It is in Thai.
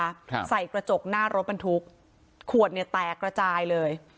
ครับใส่กระจกหน้ารถบรรทุกขวดเนี้ยแตกระจายเลย